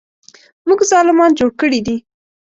موږ ظالمان جوړ کړي دي.